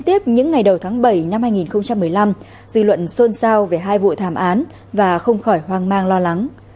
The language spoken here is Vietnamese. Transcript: tiếp những ngày đầu tháng bảy năm hai nghìn một mươi năm dư luận xôn xao về hai vụ thảm án và không khỏi hoang mang lo lắng